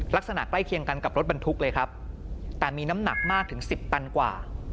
ลักษณะใกล้เคียงกันกับรถบรรทุกเลยครับแต่มีน้ำหนักมากถึงสิบตันกว่า